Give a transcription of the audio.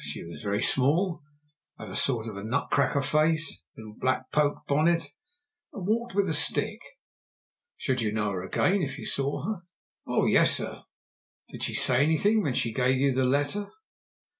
She was very small, had a sort of nut cracker face, a little black poke bonnet, and walked with a stick." "Should you know her again if you saw her?" "Oh yes, sir." "Did she say anything when she gave you the letter?"